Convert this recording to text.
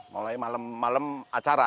mulai malam acara